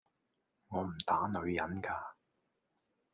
我唔打女人㗎